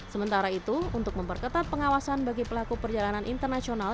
sementara itu untuk memperketat pengawasan bagi pelaku perjalanan internasional